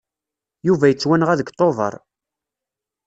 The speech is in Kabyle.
Yuba yettwanɣa deg Tubeṛ.